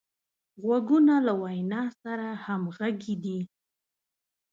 غوږونه له وینا سره همغږي دي